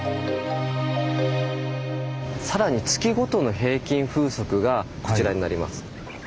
さらに月ごとの平均風速がこちらになります。